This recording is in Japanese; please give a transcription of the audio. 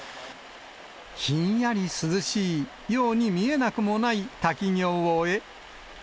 ひんやり涼しいように見えなくもない滝行を終え。